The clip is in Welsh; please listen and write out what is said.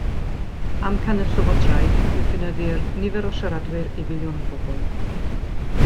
Amcan y Llywodraeth yw cynyddu'r nifer o siaradwyr i filiwn o bobl.